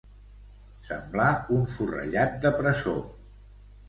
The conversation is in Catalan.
Semblar un forrellat de presó.